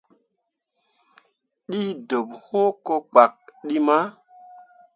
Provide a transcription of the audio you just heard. Ɗii deɓ hũũ ko kpak ɗi mah.